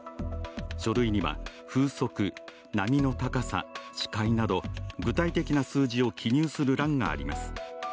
書類には、風速、波の高さ視界など具体的な数字を記入する欄があります。